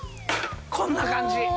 こんな感じ。